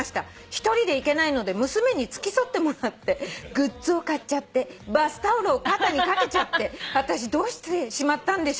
「一人で行けないので娘に付き添ってもらって」「グッズを買っちゃってバスタオルを肩にかけちゃって」「あたしどうしてしまったんでしょうか」